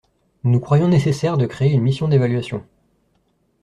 Nous croyons nécessaire de créer une mission d’évaluation.